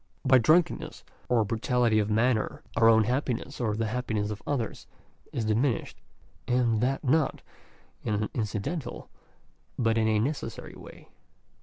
By drunken ness, or by brutality of manner, our own happiness, or the hap piness of others, is diminished ; and that not in an incidental but in a necessary way.